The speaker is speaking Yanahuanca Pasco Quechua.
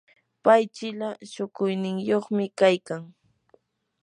pay chila shukuyniyuqmi kaykan.